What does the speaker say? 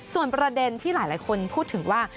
ส่วนประเด็นที่หลายคนพูดถึงว่า